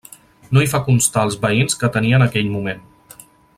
No hi fa constar els veïns que tenia en aquell moment.